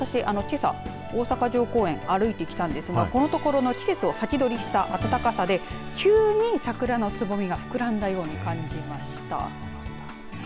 けさ、大阪城公園を歩いてきたんですけどこのところの季節を先取りした暖かさで急に桜のつぼみが膨らんだように感じました。